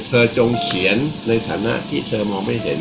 จงเขียนในฐานะที่เธอมองไม่เห็น